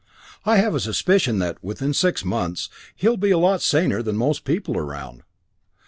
I have a suspicion that, within six months, he'll be a lot saner than most people around.